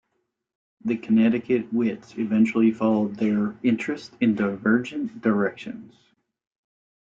The Connecticut Wits eventually followed their interests in divergent directions.